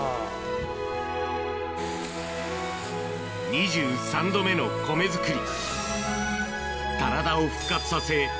２３度目の米作り